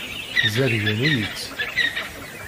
Zergen-iyi-tt.